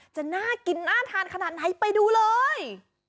จะน่ากินน่าทานขนาดไหนไปดูเลย